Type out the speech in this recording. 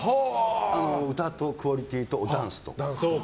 歌のクオリティーとダンス。